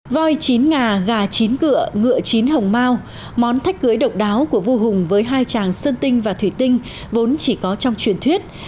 voi chín ngà gà chín cựa chín hồng mao món thách cưới độc đáo của vua hùng với hai tràng sơn tinh và thủy tinh vốn chỉ có trong truyền thuyết